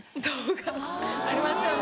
ありますよね